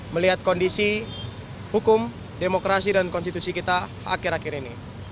melihat kondisi hukum demokrasi dan konstitusi kita akhir akhir ini